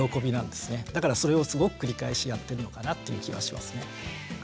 だからそれをすごく繰り返しやってるのかなっていう気はしますね。